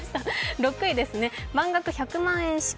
６位ですね、満額１００万円支給。